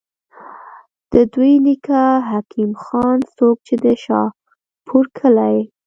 د دوي نيکۀ حکيم خان، څوک چې د شاهپور کلي